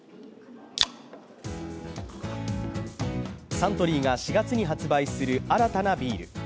サントリーが４月に発売する新たなビール。